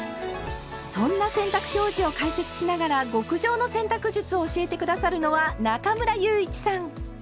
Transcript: そんな洗濯表示を解説しながら極上の洗濯術を教えて下さるのは中村祐一さん。